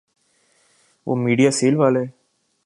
وہ میڈیاسیل والے؟